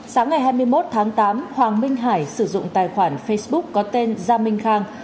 sáng ngày hai mươi một tháng tám hoàng minh hải sử dụng tài khoản facebook có tên gia minh khang